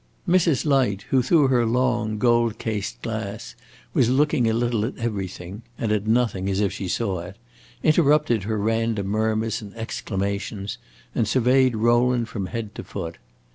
Mrs. Light, who through her long, gold cased glass was looking a little at everything, and at nothing as if she saw it, interrupted her random murmurs and exclamations, and surveyed Rowland from head to foot.